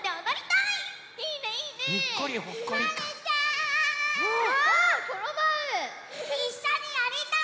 いっしょにやりたい！